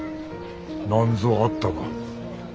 なんぞあったか？